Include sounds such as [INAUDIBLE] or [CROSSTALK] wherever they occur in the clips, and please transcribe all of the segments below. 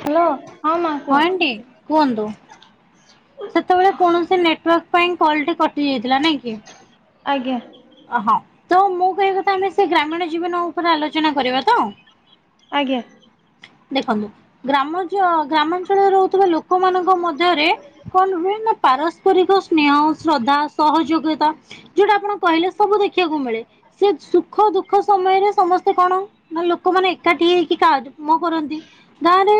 Hello. ମା ହଁ କୁହ ଆଣ୍ଟି କୁହନ୍ତୁ ସେତେବେଳେ କୌଣସି ନେଟୱର୍କ ପାଇଁ କଲ ଟି କଟି ଯାଇଥିଲା ନାଇଁ କି। ଆଜ୍ଞା। ଓହଁ ତ ମୁଁ କହିବା କଥା ଆମେ ସେ ଗ୍ରାମୀଣ ଜୀବନ ଉପରେ ଆଲୋଚନା କରିବା ତ। ଆଜ୍ଞା। ଦେଖନ୍ତୁ ଗ୍ରାମ ଗ୍ରାମାଞ୍ଚଳର ଲୋକମାନଙ୍କ ମଧ୍ୟରେ କଣ ହୁ ନା ପାରସ୍ପରିକ ସ ସ୍ନେହ ଶ୍ରଦ୍ଧା ସହଯୋଗିତା ଯୋଉଟା ଆପଣ କହିଲେ ସବୁ ଦେଖିବାକୁ ମିଳେ ସେ ସୁଖ ଦୁଃଖ ସମୟରେ ସମ ସମସ୍ତେ କଣ ନା ଲୋକମାନେ ଏକାଠି ହେଇକି [UNINTELLIGIBLE] କାମ କରନ୍ତି ଗାଁ ରେ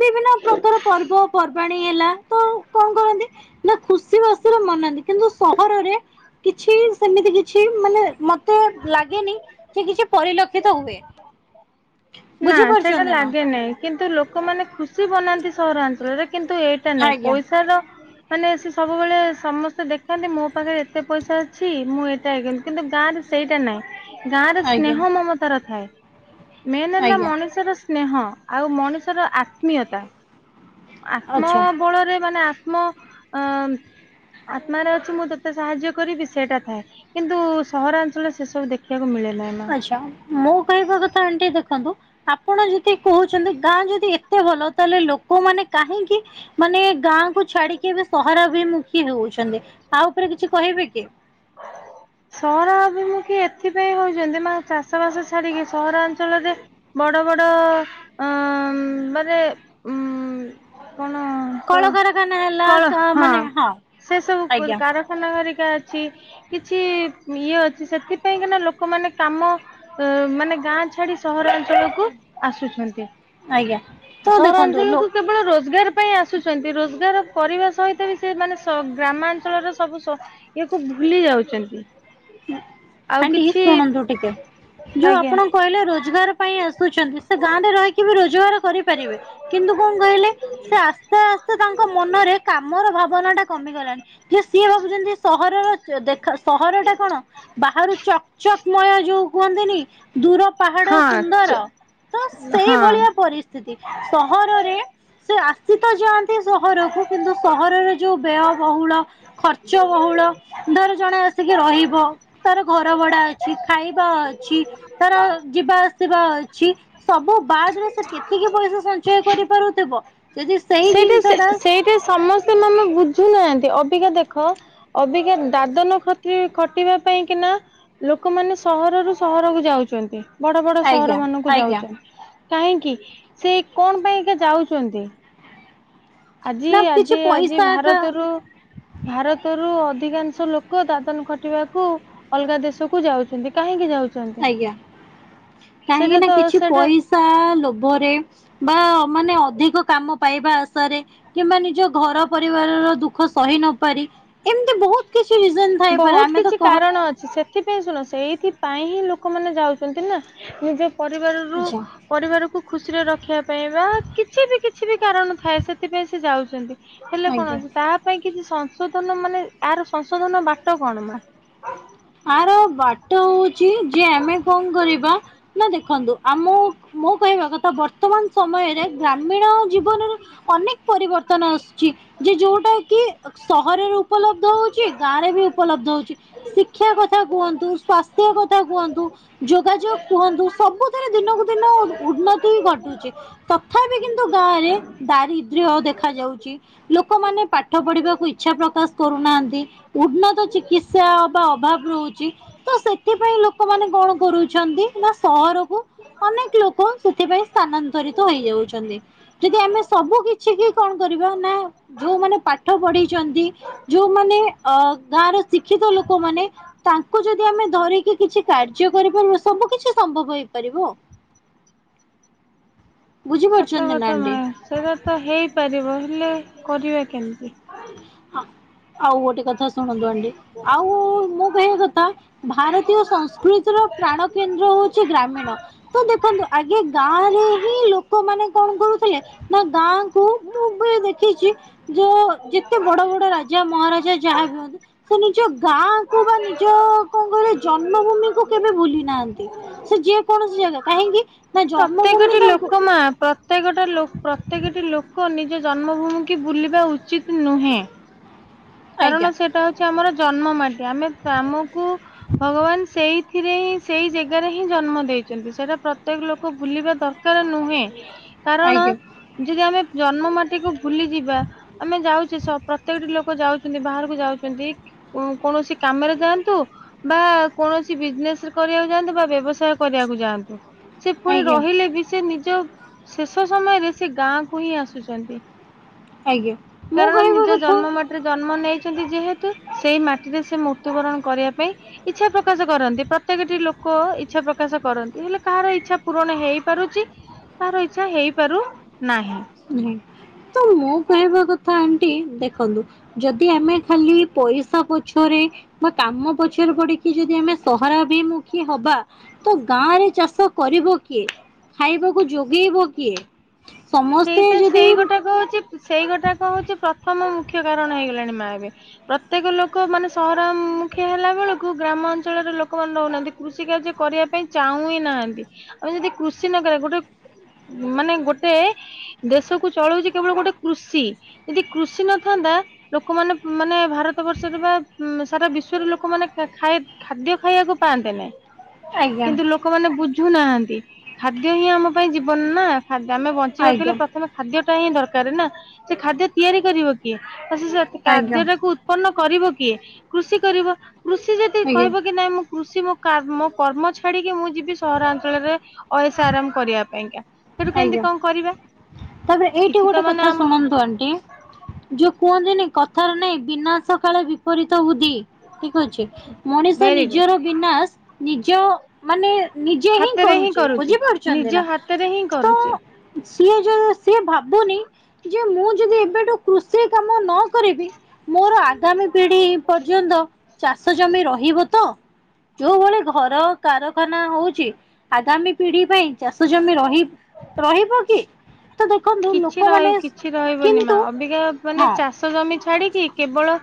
ବିଭିନ୍ନ ପ୍ରକାର ପର୍ବପର୍ବାଣି ହେଇ ଗଲା ତ କଣ କରନ୍ତି ନା ଖୁସି ସେ ମାସରେ ମନାନ୍ତି କିନ୍ତୁ ସହରରେ କିଛି ସେମିତି କିଛି ମାନେ ନ ତ ଲାଗେନି କି କିଛି ପରିଲକ୍ଷିତ ହୁଏ। ନା ସେଟା। ବୁଝିପାରୁଛନ୍ତି ନା ଲାଗେ ନାହିଁ କିନ୍ତୁ ଲୋକମାନେ ଖୁସି ମନାନ୍ତି। ସହରାଞ୍ଚରେ କିନ୍ତୁ ଏଇଟା ନୁହଁ ଆଜ୍ଞା। ପଇସାର ମାନେ ସେ ସବୁବେଳେ ସମସ୍ତେ ଦେଖାନ୍ତି। ମୋ ପାଖରେ ଏତେ ପଇସା ଅଛି। ମୁଁ ଏଟା କିନ୍ତୁ ଗାଁ ରେ ସେଇଟା ନାହିଁ। ଗାଁ ରେ ଆଜ୍ଞା ସ୍ନେହ ମମତାର ଥାଏ। ମେନ ହେଲା ଆଜ୍ଞା ମଣିଷର ସ୍ନେହ ଆଉ ମଣିଷର ଆତ୍ମୀୟତା। ଆଚ୍ଛା ଆତ୍ମବଳରେ ମାନେ ଆ ଆତ୍ମ ଅ ଆତ୍ମାରେ ଅଛି ମୁଁ ତତେ ସାହାଯ୍ୟ କରିବି ସେଇଟା ଥାଏ କିନ୍ତୁ ସହରାଞ୍ଚଳ ସେସବୁ ଦେଖିବାକୁ ମିଳେନି। ଆଛା ମୋ କହିବା କଥା ଆଣ୍ଟି ଦେଖନ୍ତୁ ଆପଣ ଯଦି କହୁଛନ୍ତି ଗାଁ ଯଦି ଏତେ ଭଲ ତାହେଲେ ଲୋକମାନୋନ କାହିଁକି ମାନେ ଗାଁ ଛାଡିକି ସହର। ବି ମୁୁଖୀ ହଉଛନ୍ତି ତା ଉପରେ କିଛି କହିବେ କି। ସହରା ଅଭିମୁଖୀ ଏଥିପାଇଁ ହଉଛନ୍ତି ମା ଚାଷ ବାସ ଛାଡିକି ସହରାଞ୍ଚଳରେ ବଡ। କଣ କ କଳକାରଖାନା ହେଲା ମାନେ ହଁ ସେ ସବୁ ଆଜ୍ଞା। କାରଖାନା ଅଛି ଘରିକା କି। କିଛି ଇଏ ଅଛି ସେଥିପାଇଁ କନା ଲୋକମାନେ କା ମାନେ ଗାଁ ଛାଡି ସହରାଞ୍ଚଳକୁ ଆସୁଛନ୍ତି। ଆଜ୍ଞା ତ ଦେଖନ୍ତୁ ଲୋ ସହରାଞ୍ଚଳକୁ କେବଳ ରୋଜଗାର। ପାଇଁ ଆସୁଛନ୍ତି ରୋଜଗାର କରିବା ସହିତ ବି ସେ ମାନେ ଗ୍ରାମାଞ୍ଚଳର ସବୁ ଇଏକୁ ଭୁଲି ଯାଉଛି। ସେମିତି। ଆଣ୍ଟି ଶୁଣନ୍ତୁ ଟିକେ ଯୋଉ ଆଜ୍ଞା। ଆପଣ କହିଲେ ରୋଜଗାର ପାଇଁ ଆସୁଛନ୍ତି ସେ ଗାଁରେ ରହିକି ବି ରୋଜଗାର। କରିପାରିବେ କିନ୍ତୁ କଣ କହିଲେ ସେ ଆସ୍ତେ ଆସ୍ତେ ତାଙ୍କ ମନରେ କାମର ଭାବନା ଟା। କମିଗଲାଣି କି ସିଏ ଭାବୁଛନ୍ତି ସହରର ଦେଖ ସହର ଟା ବାହାରୁ ଚକ ଚକ୍ମୟ ଯୋଉ କୁହନ୍ତିନି। ଦୂର ପାହାଡ ହଁ ସୁନ୍ଦର ତ ହଁ। ସେଇଭଳିଆ ପରିସ୍ଥିତି ସହରରେ ସେ। ସୀତ ଯାଆନ୍ତି ସହରକୁ କିନ୍ତୁ ସହରର ଯୋଉ ବ୍ୟୟ। ବହୁଳ ଖର୍ଚ୍ଚ ବହୁଳ ଧର ଜଣେ ଆସିକି ରହିବ। ତାର ଘରେ। ବଡା ଅଛି ଖାଇବା ଅଛି ତାର ଯିବା ଆସିବା ଅଛି ସବୁ ବାଦ ରେ ସେ କେତିକି ପଇସା ସଞ୍ଚୟ କରିପାରୁଥିବ। ଯଦି ସେଇ ସେଇଟା ସେ ଜିନିଷ ଟା ସେଇଟା ସମସ୍ତେ ମାନେ ବୁଝୁନାହାନ୍ତି। ମାନେ ଅବିକା ଦେଖ ଅବିକା ଦାଦନ ଖତି ଖଟିବା ପାଇଁ କିନା ଲୋକମାନେ ସହରରୁ ସହରକୁ ଯାଉଛନ୍ତି। ବଡ ବଡ ସହର ଆଜ୍ଞା ମାନଙ୍କୁ ଆଜ୍ଞା ଯାଉଛନ୍ତି। କାହିଁକି ସେ କଣ ପାଇଁ ଯାଉଛନ୍ତି। ଆଜି ନା ଆଜି କିଛି ଆଜି ପଇସା ଏକା ଭାରତରୁ ଭାରତରୁ। ଅଧିକାଂଶ ଲୋକ ଦାଦନ ଖଟିବାକୁ ଅଲଗା ଦେଶକୁୁ ଯାଉଛନ୍ତି କାହିଁକି ଯାଉ। ଆଜ୍ଞା କାହିଁକି ନା ତ କିଛି ସେଇଟା ପଇସା ଲୋଭରେ ବା ମାନେ ଅଧିକ କାମ। ପାଇବା ଆଶାରେ କିମ୍ବା ନିଜ ଘର ପରିବାର ର ଦୁଃଖ ସହି ନ ପାରି ଏମିତି ବହୁତ କିଛି। ରିଜନ ଥାଇପାରେ ବହୁତ ଆମେ ତ କିଛି କହ କାରଣ ଅଛି ସେଥିପାଇଁ ଶୁଣ ସେ ସେଇଥିପାଇଁ ହିଁ ଲ। ଲୋକମାନୋନେ ଯାଉଛନ୍ତି ନା ନିଜ। ପରିବାରରୁ ଆଚ୍ଛା ପରିବାରକୁ ଖୁସି। ଖୁସିରେ ରଖିବା ପାଇଁ ବା କିଛି ବି କିଛି ବି କାରଣ ଥାଏ ସେଥିପାଇଁ ସେ ଯାଉଛନ୍ତି। ହେଲେ କଣ ଆଜ୍ଞା। ଅଛି ତାପାଇଁ କିଛି ସ। ସଂଶୋଧନ ମାନେ ଏହାର ସଂଶୋଧନ ବାଟ। କଣ ମା। ଆର ବାଟ ହଉ। ଯେ ଆମେ କଣ କରିବା ନା ଦେଖନ୍ତୁ ଆମ ମୁଁ କହିବା କଥା ବର୍ତ୍ତମାନ ସମୟରେ ଗ୍ରାମୀଣ ଜୀବନରେ ଅନେକ ପରିବର୍ତ୍ତନ ଆସୁଛି ଯେ ଯୋଉଟା କି ସହରରୁ ଉପଲବ୍ଧ ହଉଛି ଗାଁ ରେ ବି ଉପଲବ୍ଧ ହଉଛି । ଶିକ୍ଷା କଥା କୁହନ୍ତୁ, ସ୍ୱାସ୍ଥ୍ୟ କଥା କୁହନ୍ତୁ, ଯୋଗାଯୋଗ କୁହନ୍ତୁ ସବୁଥିରେ ଦିନକୁ ଦିନ ଉନ୍ନତି ଘଟୁଛି ତଥାପି କିନ୍ତୁ ଗାଁରେ ଦାରିଦ୍ର୍ୟ ଦେଖା ଯାଉଛି ଲୋକମାନେ ପାଠ ପଢିବାକୁ ଇଚ୍ଛା ପ୍ରକାଶ କରୁନାହାନ୍ତି ଉନ୍ନତ ଚିକିତ୍ସା ବା ଅଭାବ ରହୁଛି ତ ସେଥିପାଇଁ ଲୋକମାନେ କଣ କରୁଛନ୍ତି ନା ସହରକୁ ଅନେକ ଲୋକ ସେଥିପାଇଁ ସ୍ଥାନାନ୍ତରିତ ହେଇଯାଉଛନ୍ତି ।ଯଦି ଆମେ ସବୁ କିଛି କି କଣ କରିବା ନା ଯୋଉମାନେ ପାଠ ପଢିଛନ୍ତି ଯୋଉମାନେ ଅ ଗାଁର ଶିକ୍ଷିତ ଲୋକ କିଛି କରିବୁ । ସତ କଥା ମା ସେଇଟା ତ ହେଇପାରିବ ହେଲେ କରିଆ କେମିତି? ହଁ ଆଉ ଗୋଟେ କଥା ଶୁଣନ୍ତୁ ଆଣ୍ଡି ଆଉ ମୁଁ କହିବା କଥା ଭାରତୀୟ ସଂସ୍କୃତିର ପ୍ରାଣ କେନ୍ଦ୍ର ହଉଛି ଗ୍ରାମୀଣ ତ ଦେଖନ୍ତୁ ଆଗେ ଗାଁ ରେ ହିଁ ଲୋକମାନେ କଣ କରୁଥିଲେ ନା ଗାଁ କୁ ମୁଁ ବି ଦେଖିଛି ଯୋ ଏତେ ବଡ ବଡ ରାଜା ମହାରାଜା ଯାହା ବି ହୁଅନ୍ତୁ ସେ ନିଜ ଗାଁ କୁ ବା ନିଜ କରେ ଜନ୍ମଭୂମି କୁ କେବେ ଭୁଲି ନାହାନ୍ତି । ସେ ଯେ କୌଣସି ଜାଗା କାହିଁକି ନା ଜନ୍ମଭୂମି ପ୍ରତ୍ୟେକଟି ତାଙ୍କୁ ଲୋକ ମା ପ୍ରତ୍ୟେକଟା ଲୋକ ପ୍ରତ୍ୟେକଟି ଲୋକ ନିଜ ଜନ୍ମଭୂମି କି ବୁଲିବା ଉଚିତ ନୁହେଁ । କାରଣ ଆଜ୍ଞା ସେଇଟା ହଉଛି ଆମର ଜନ୍ମ ମାଟି। ଆମେ ଆମକୁ ଭଗବାନ ସେଇଥିରେ ହିଁ ସେଇ ଜାଗାରେ ହିଁ ଜନ୍ମ ଦେଇଛନ୍ତି ସେଇଟା ପ୍ରତ୍ୟେକ ଲୋକ ବୁଲିବା ଦରକାର ନୁହେଁ । କାରଣ ଆଜ୍ଞା ଯଦି ଆମେ ଜନ୍ମ ମାଟିକୁୁ ଭୁଲି ଯିବା ଆମେ ଯାଉଛେ ପ୍ରତ୍ୟେକଟି ଲୋକ ଯାଉଛେ ବାହାରକୁ ଯାଉଛନ୍ତି କୌଣସି କାମରେ ଯାଆନ୍ତୁ ବା କୌଣସି ବିଜନେସରେ କରିବାକୁ ଯାଆନ୍ତୁ ବା ବ୍ୟବସାୟ କରିବାକୁ ଯାଆନ୍ତୁ । ସେ ପୁଣି ଆଜ୍ଞା ରହିଲେ ବି ସେ ନିଜ ଶେଷ ସମୟରେ ସେ ଗାଁ କୁ ହିଁ ଆସୁଛନ୍ତି। ଆଜ୍ଞା ମୁଁ କହିବି କଥା ମନେଇଛନ୍ତି ଯେହେତୁ ସେଇ ମାଟିରେ ସେ ମୃତ୍ୟୁବରଣ କରିବା ପାଇଁ ଇଚ୍ଛା ପ୍ରକାଶ କରନ୍ତି ପ୍ରତ୍ୟେକଟି ଲୋକ ଇଚ୍ଛା ପ୍ରକାଶ କରନ୍ତି ହେଲେ କାହାର ଇଚ୍ଛା ପୂରଣ ହେଇପାରୁଛି କାହାର ଇଚ୍ଛା ହେଇପାରୁନାହିଁ । ତ ମୁଁ କହିବା କଥା ଆଣ୍ଟି ଦେଖନ୍ତୁ ଯଦି ଆମେ ଖାଲି ପଇସା ପଛରେ ବା କାମ ପଛରେ ପଡିକି ଯଦି ଆମେ ସହରାଭିମୁଖୀ ହବା ତ ଗାଁରେ ଚାଷ କରିବ କିଏ ଖାଇବାକୁ ଯୋଗେଇବ କିଏ? ସମସ୍ତେ ସେଇଟ ଯଦି ସେଇ ଗୁଟାକ ହଉଛି ସେଇ ଗୁଟାକ ହଉଛି ପ୍ରଥମ ମୁ ମୁଖ୍ୟ କାରଣ ହେଇଗଲାଣି ମା ଏବେ। ପ୍ରତ୍ୟେକ ଲୋକ ମାନେ ସହର ମୁଖି ହେଲା ବେଳକୁ ଗ୍ରାମ ଅଞ୍ଚଳର ଲୋକମାନେ ରହୁନାହାନ୍ତି କୃଷି କାର୍ଯ୍ୟ କରିବା ପାଇଁ ଚାହୁଁ ହିଁ ନାହାନ୍ତି ଆମେ ଯଦି କୃଷି ନକରିଆ ଗୋଟେ ମାନେ ଗୋଟେ ଦେଶ କୁ ଚଳଉଛି କେବଳ ଗୋଟେ କୃଷି ଯଦି କୃଷି ନଥାନ୍ତା ଲୋକମାନେ ମାନେ ଭାରତ ବର୍ଷରେ ବା ସାରା ବିଶ୍ଵରେ ଲୋକମାନେ ଖାଇ ଖାଦ୍ୟ ଖାଇବାକୁ ପାଆନ୍ତେ ନାହି। ଆଜ୍ଞା କିନ୍ତୁ ଲୋକମାନେ ବୁଝ ବୁଝୁ ନାହାନ୍ତି। ଖାଦ୍ୟ ହିଁ ଆମ ଯିବନ ନା ଖାଦ୍ୟ ଆମେ ବଞ୍ଚ କୁ ହେଲେ ଆଜ୍ଞା ପ୍ରଥମେ ଖାଦ୍ୟ ଟା ହିଁ ଦର୍କାର ନା ସେ ଖାଦ୍ୟ ତିଆରି କରିବ କିଏ? ସେ ଆଜ୍ଞା କା୍ୟାକୁ ଉତ୍ପନ୍ନ କରିବ କିଏ କୃଷି କରିବ । କୃଷି ଯଦି ଆଜ୍ଞା କହିବ କି ନାଇଁ ମୁଁ କୃଷି ମୋ ମୋ କର୍ମ ଛାଡିକି ମୁଁ ଯିବି ସହରାଞ୍ଚଳରେ ଅହେସ୍ ଆରାମ କରିବା ପାଇଁକା । ସେଠୁ କେମିତି କଣ କରିବା? ତମେ ଏଇଠି କିଛି ତ ଗୋଟେ ମାନେ କଥା ଶୁଣନ୍ତୁ ଆଣ୍ଟି ଯୋଉ କୁହ ନ୍ତିନି କଥାରେ ନାଇଁ ବିନାଶ କାଳେ ବିପରୀତ ଠିକ୍ ଅଛି ମଣିଷ ଭେରି ଗୁଡ ନିଜର ବିନାଶ ନିଜ ମାନେ ନିଜେ ହିଁ କରୁଚି ବୁଝିପାରୁଛନ୍ତି ନା। ଚେ ସିଏ ଯ ସିଏ ଭାବୁନି ଯେ ମୁଁ ଯଦି ଏବେଠୁ କୃଷି କାମ ନ କରିବି ମୋର ଆଗାମୀ ପିଢି ପର୍ଯ୍ୟନ୍ତ ଚାଷ ସେ ଜମି ରହିବ ତ? ଯୋଉ ଭଳି ଘର କାରଖାନ ହୋଉଛି ଆଗାମୀ ପିଢି ପାଇଁ ଚାଷ ଜମି ରହିବ୍ ରହିବ କି? କିଛି ରହ ଲୋକମାନେ କିଛି ରହିବନି ମା କିନ୍ତୁ ଅବିକା ମାନେ ହଁ ଚାଷ ଜମି ଛାଡିକି କେବଳ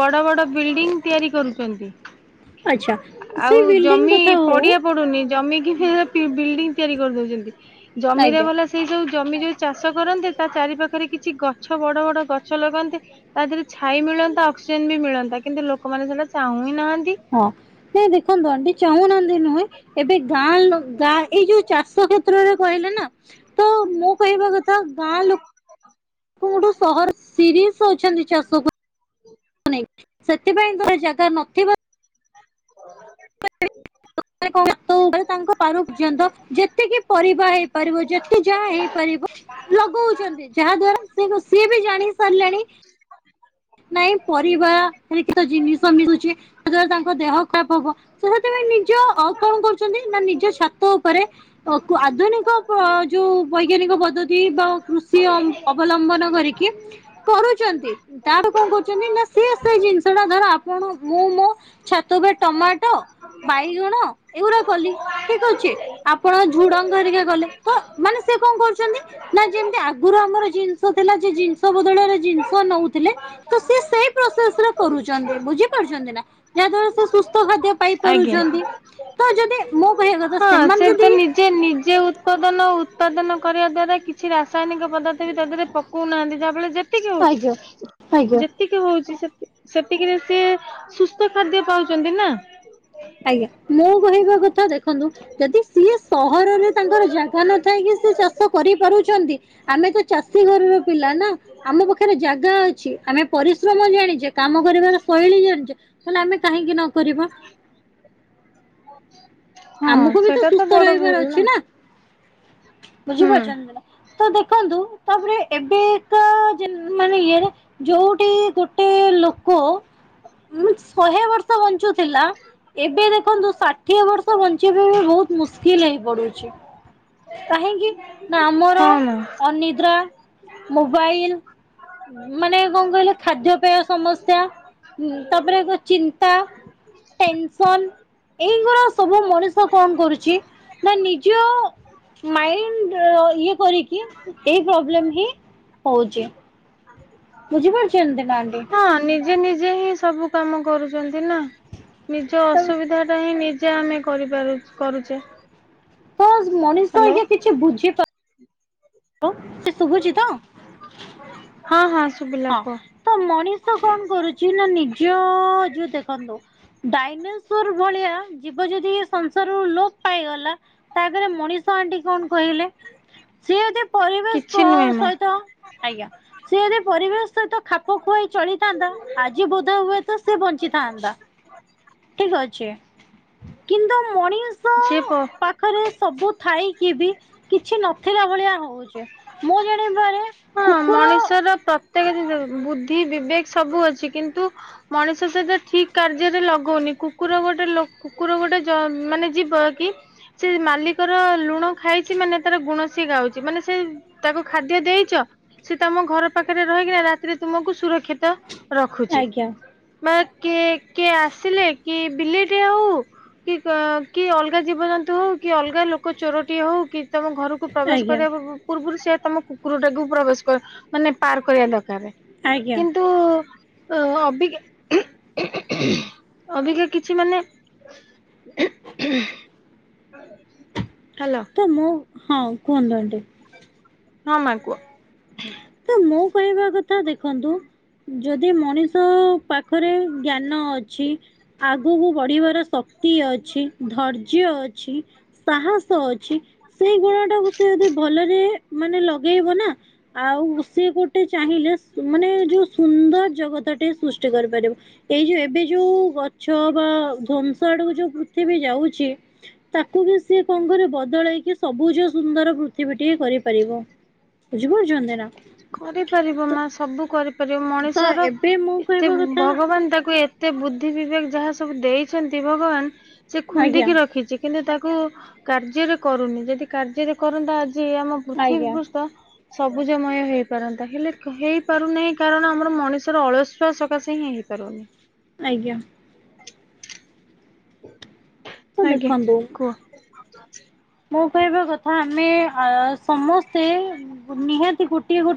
ବଡ ବଡ ବିଲ୍ଡିଂ ତିଆରି କରୁଛନ୍ତି । ଆଚ୍ଛା ସେଇ ଆଉ ବିଲ୍ଡିଂ ଜମି କଥା ହଉ ପଡିଆ ପଡୁନି ଜମି କି ସେ ଫ ପିବି ବିଲ୍ଡିଂ ତିଆରି କରିଦୋଉଚନ୍ତି। ଜମିରେ ଆଜ୍ଞା ବଲା ସେଇ ଯେଉଁ ଜମିି ଜୋଚ୍ ଚାଷ କରନ୍ତେ ଚାରି ପାାଖରେ କିଛି ଗଛ ବଡ ବଡ ଗଛ ଲଗାନ୍ନନ୍ତି ତା ଦେହରେ ଛାଇ ମିଳନ୍ତା ଅକ୍ସିଜେନ ବି ମିଳନ୍ତା କିନ୍ତୁ ଲୋକମାନେ ସେଟା ଚାହୁଁ ହଁ ନାହାନ୍ତି। ହଁ ନଇଁ ଦେଖନ୍ତୁ ଆଣ୍ଡି ଚାହୁଁନାହାନ୍ତି ନୁହେଁ ଏବେ ଗାଁ ଗାଁ ଏଇ ଯୋଉ ଚାଷ କ୍ଷେତ୍ରରେ କହିଲେ ନା ତ ମୁଁ କହିବା କଥା ଗାଁ ଲୋକ ଗୋଠୁ ସହର ସିରିସ ଶୋଉ ଅଛନ୍ତି ଚାାଷକୁ ସେଥିପାଇଁ ତୋର ଜାଗା ନଥିବ [INAUDIBLE] ତାଙ୍କ ପାରୁ ପର୍ଯ୍ୟନ୍ତ ଯେତିକି ପରିବା ହେଇପାରିବ ଯେତିକି ଯାହା ହେଇପାରିବ ଲଗୋଉ ଚନ୍ତି ଯାହା ଦ୍ଵାରା ସିଏ ବି ଜାଣି ସାରିଲାଣି ନାଇଁ ପରିବାାରଖ ଜିନିଷ ମିଶୁଛି ସେଵାରା ତାଙ୍କ ଦେହ ନାଇଁ ପରିବା ହେଇ କିତ ଯିନିସ ମିସୁଚି ଯେତବେଳେ ତନ୍କ ଦେହ ଖରାପ ହବ ତ ସେଥିପାଇଁ ନିଜ କଣ କରୁଛନ୍ତି ନା ନିଜ ଛାତ ଉପରେ ଆଧୁନିକ ଯୋଉ ବୈଜ୍ଞାନିକ ପଦ୍ଧତି ବା କୃଷି ଅବଲମ୍ବନ କରିକି କରୁଛନ୍ତି। ତାଡ-କଅଁ କରୁଚନ୍ତି ନା ସିଏ ସେଇ ଜିନିଷ ଟା ଧର ଆପଣ ମୁଁ ମୋ ଛାତରେ ଟମାଟୋ, ବାଇଗଣ ଏଇଗୁରା କଲି ଠିକ୍ ଅଛି ଆପଣ ଝୁଡଙ୍ଗ ଘରିକା କଲେ ତ ମାନେ ସେ କଣ କରୁଚନ୍ତି ନା ଯେମତି ଆଗରୁ ଆମର ଜିନିଷ ଥିଲା ଯେ ଜିନିଷ ବଦଳରେ ଜିନିଷ ନଉଥିଲେ। ତ ସିଏ ସେଇ ପ୍ରସେସରେ କରୁଚନ୍ତି ବୁଝିପାରୁଛନ୍ତି ନା ଯାହାଦ୍ଵାରା ସେ ସୁସ୍ଥ ଖାଦ୍ୟ ଆଜ୍ଞା। ପାଇପାରୁଛନ୍ତି। ତ ଯଦି ମୁଁ କହିବା କଥା ହଁ ସେମାନେ ସେ ତ ଯଦି ନିଜେ ନିଜେ ଉତ୍ପଦନ ଉତ୍ପାଦନ କରିବା ଦ୍ଵାରା କିଛି ରାସ୍ ରାସାୟନିକ ପଦାର୍ଥ ବି ତା ଧିରେ ପକଉନାହାନ୍ତି ଯାହାଫଳେରେ ଯେତିକି ଆଜ୍ଞା ଆଜ୍ଞା। ହଉଚି ଯେତିକି ହଉଚି ସେ ସେତିକିରେ ସିଏ ସୁସ୍ଥ ଖାଦ୍ୟ ପାଉଚନ୍ତି ନାଁ। ଆଜ୍ଞା ମୁଁ କହିବା କଥା ଦେଖନ୍ତୁ ଯଦି ସିଏ ସହରରେ ତାଙ୍କର ଜାଗା ନଥାଇକି ସେ ଚାଷ କରିପାରୁଛନ୍ତି ଆମେ ତ ଚାଷୀ ଘରର ପିଲା ନା ଆମ ପାଖରେ ଜାଗା ଅ ଚି ଆମେ ପରିଶ୍ରମ ଜାଣିଚେ କାମ କରିବାର ଶୈଳୀ ଜାଣିଚେ ହେଲେ ଆମେ କାହିଁକି ନା କରିବା। ହଁ ଆମକୁ ବି ତ ସେଇଟା ସୁସ୍ଥ ବଡ ରହିବାର ଭୁଲ ଅଛି ନା। ହୁଁ। ବୁଝିପାରୁଛନ୍ତି ନା। ତ ଦେଖନ୍ତୁ ତାପରେ ଏବେ ଏକା ମାନେ ଯେ-ଇଏରେ ଯୋଉଠି ଗୋଟେ ଲୋକ ମ୍ ଶହେ ବର୍ଷ ବଞ୍ଚୁଥିଲା ଏବେ ଦେଖନ୍ତୁ ଷାଠିଏ ବର୍ଷ ବଞ୍ଚିବା ଏବେ ବହୁତ ମୁସ୍କିଲ୍ ହେଇ ପଡୁଚି। କାହିଁକି? ନାଁ ଆମର ହଁ ମା। ଅନିଦ୍ରା। ମୋବାଇଲ୍ ମାନେ କଣ କହିଲେ ଖାଦ୍ୟପେୟ ସମସ୍ୟା ତାପରେ ଚିନ୍ତା ଟେନସନ୍ ଏଇଗୁରା ସବୁ ମଣିଷ କଣ କରୁଚି ନା ନିଜ ମାଇଣ୍ଡ ଇଏ କରିକି ଏଇ ପ୍ରୋବ୍ଲେମ୍ ହିଁ ହଉଚି। ବୁଝି ପାରୁଚନ୍ତି ନା ଆଣ୍ଟୀ। ହଁ ନିଜେ ନିଜେ ହିଁ ସବୁ କାମ କରୁଚନ୍ତି ନା। ନିଜ ତ ଅସୁବିଧା ଟା ହିଁ ନି ସେ ଆମେ କରିପାରୁଚେ କରୁଚେ। ପୋସ୍। ମଣିଷ ଆଜ୍ଞା କିଛି ବୁଝିପା ଲୋ ସି ଶୁଭୁଚି ତ। ହଁ ହଁ ଶୁଭିଲା ହଁ କୁହ ତ ମଣିଷ କଣ କରୁଚି ନା ନିଜଅଅ ଯୋଉ ଦେଖନ୍ତୁ ଲୋ-ଡାଇନେସୋର ଭଳିଆ ଜୀବ ଯଦି ଏ ସଂସାରରୁ ଲୋପ୍ ପାଇଗଲା ତାଆଗରେ ମଣିଷ ଆଣ୍ଟୀ କଣ କହିଲେ ସିଏ ଯଦି ପରିବେଶ କିଛି ନୁହେଁ ମା ସହିତ ଆଜ୍ଞା ସିଏ ଯଦି ପରିବେଶ ସହିତ ଖାପ ଖୁ ଖୁଆଇ ଚଳିଥାନ୍ତା ଆଜି ବୋଧ ହୁଏ ତ ସେ ବଞ୍ଚିଥାନ୍ତା। ଆଚ୍ଛା କିନ୍ତୁ ମଣିଷ ଯିଏ ପ ପାଖରେ ସବୁ ଥାଇକି ବି କିଛି ନଥିଲା ଭଳିଆ ହଉଛେ। ମୁଁ ଜାଣିପାରେ ହଁ କୁକୁର ମଣିଷର ପ୍ରତ୍ୟେକ ଜିନିଷ ବୁଦ୍ଧି ବିବେକ ସବୁ ଅଛି କିନ୍ତୁ ମଣିଷ ସେଟା ଠିକ କାର୍ଯ୍ୟରେ ଲଗଉନି କୁକୁର ଗୋଟେ କୁକୁର ଗୋଟେ ମାନେ ଯିବ କି ସେ ମାଲିକର ଲୁଣ ଖାଇଛି ମାନେ ତାର ଗୁଣ ସିଏ ଗାଉଛି ମାନେ ସେ ତାକୁ ଖାଦ୍ୟ ଦେଇଛ ସେ ତମ ଘର ପାଖରେ ରହିକିନା ରାତିରେ ତୁମକୁ ସୁରକ୍ଷିତ। ରଖୁଛି ଆଜ୍ଞା ବା କିଏ କିଏ ଆସିଲେ କି ବିଲେଇ ଏତେ ଆଉ କି ଆଁ କି ଅଲଗା ଜୀବଜନ୍ତୁ ହଉ କି ଅଲଗା ଲୋକ ଚୋରଟିଏ ହଉ କି ତମ ଘରକୁ ପ୍ରବେଶ ଆଜ୍ଞା କରିବା ପୂର୍ବରୁ ସେ ତମ କୁକୁର ଟାକୁ ପ୍ରବେଶ ମାନେ ପାର କରିବା ଦରକାର। ଆଜ୍ଞା କିନ୍ତୁ ହ ଅଭିଜ୍ଞା ଅଭିକା କିଛି ମାନେ ହୁଁ। ତ ମୁଁ ହଁ କୁହନ୍ତୁ ଏନଟି ହଁ ମା କୁହ? ତ ମୁଁ କହିବା କଥା ଦେଖନ୍ତୁ? ଯଦି ମଣିଷ ପାଖରେ ଜ୍ଞାନ ଅଛି ଆଗକୁ ବଢ଼ିବାର ଶକ୍ତି ଅଛି ଧୈର୍ଯ୍ୟ ଅଛି ସାହସ ଅଛି ସେଇ ଗୁଣଟାକୁ ସେ ଯଦି ଭଲରେ ମାନେ ଲଗେଇବ ନା ଆଉ ଉଷେଇ ଗୋଟେ ଚାହିଁଲେ ମାନେ ଯୋଉ ସୁନ୍ଦର ଜଗତଟି ସୃଷ୍ଟି କରିପାରିବ ଏଇ ଯୋଉ ଏବେ ଯୋଉ ଛ ବା ଧଵଂସ ଆଡକୁ ଯୋଉ ପୃଥିବୀ ଯାଉଛି ତାକୁ ବି ସିଏ କଣ ଘରେ ଳକି ସବୁଜ ସୁନ୍ଦର ପୃଥିବୀ କିଏ କରିପାରିବ? ବୁଝି ପାରୁଛ? ସେରା କରିପାରିବ ମା ସବୁ କରିପାରିବ ତ ମଣିଷର ଏବେ ମୁଁ ଏତେ କହିବା କଥା ଭଗବାନ ତାକୁ ତେ ବୁଦ୍ଧି ବିବେକ ଯାହା ସବୁ ଦେଇଛନ୍ତି ଭଗବାନ ସେ ଆଜ୍ଞା। ଖୁନ୍ଦିକି ରଖିଛି କିନ୍ତୁ ତାକୁ କାର୍ଯ୍ୟରେ କରୁନି ଯଦି କାର୍ଯ୍ୟରେ କରନ୍ତା ଯ ଆମ ପୃଥିବୀ ଆଜ୍ଞା। ପୃଷ ସବୁଜମୟ ହେଇପାରନ୍ତା ହେଲେ ହେଇପାରୁନାହିଁ କାରଣ ଆମର ମଣିଷର ଅଳସୁଆ ସକାଶେ ହିଁ ହେଇପାରୁନି। ଆଜ୍ଞା! ତ ଆଜ୍ଞା ଦେଖନ୍ତୁ କୁହ- ସେ ମୋ କହିବା କଥା ଆମେ ସମସ୍ତେ ନିହାତି ଗୋଟିଏ ଗୋଟେ